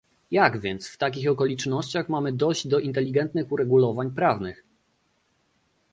Jak więc w takich okolicznościach mamy dojść do inteligentnych uregulowań prawnych?